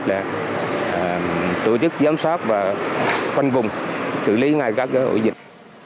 để tổ chức giám sát và khoanh vùng xử lý ngay các ổ dịch